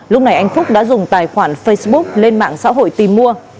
lúc này anh phúc đã dùng tài khoản facebook lên mạng xã hội tìm mua